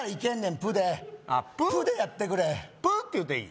プッでやってくれプッて言うたらいい？